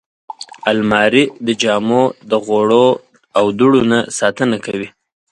الماري د جامو د غوړو او دوړو نه ساتنه کوي